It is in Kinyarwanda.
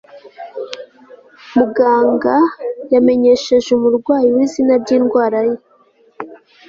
muganga yamenyesheje umurwayi we izina ryindwara ye